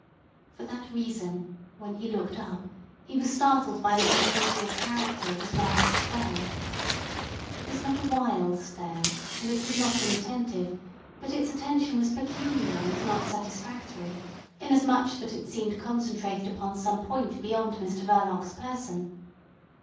For that reason, when he looked up he was startled by the inappropriate character of his wife's stare. It was not a wild stare, and it was not inattentive, but its attention was peculiar and not satisfactory, inasmuch that it seemed concentrated upon some point beyond Mr Verloc's person.